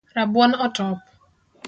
Rabuon otop